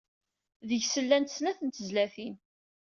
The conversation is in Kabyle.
Deg-s llant setta n tezlatin.